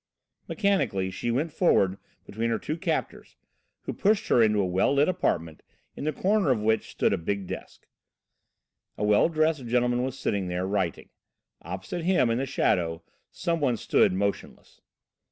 Mechanically she went forward between her two captors, who pushed her into a well lit apartment, in the corner of which stood a big desk. A well dressed gentleman was sitting there, writing; opposite him, in the shadow, some one stood motionless.